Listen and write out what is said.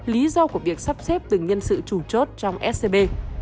lý do của việc sắp xếp từng nhân sự chủ chốt trong scb